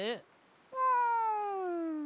うん。